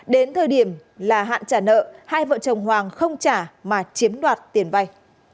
đến thời điểm là hạn trả nợ hai vợ chồng hoàng không trả mà chiếm đoạt tiền vay